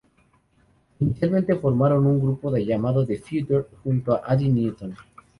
Inicialmente formaron un grupo llamado "The Future" junto a Adi Newton.